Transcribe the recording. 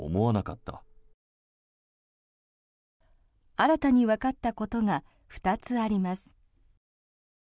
新たにわかったことが２つあります。